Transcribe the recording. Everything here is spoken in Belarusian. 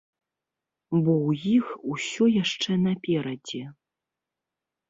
Бо ў іх усё яшчэ наперадзе.